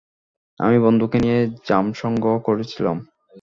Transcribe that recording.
আমি বন্ধুকে নিয়ে জাম সংগ্রহ করছিলাম।